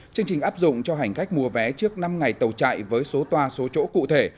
chương trình áp dụng cho hành khách mua vé trước năm ngày tàu chạy với số toa số chỗ cụ thể